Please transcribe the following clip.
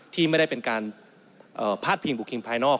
ที่ไม่ได้เป็นการพาดพิงบุคคลภายนอก